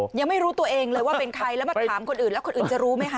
ยังไม่รู้ตัวเองเลยว่าเป็นใครแล้วมาถามคนอื่นแล้วคนอื่นจะรู้ไหมคะ